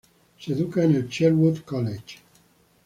Se educa en el "Sherwood College".